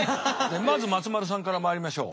まず松丸さんからまいりましょう。